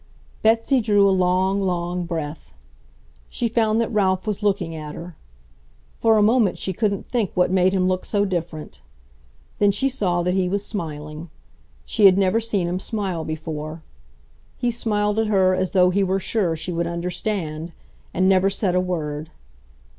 Betsy drew a long, long breath. She found that Ralph was looking at her. For a moment she couldn't think what made him look so different. Then she saw that he was smiling. She had never seen him smile before. He smiled at her as though he were sure she would understand, and never said a word.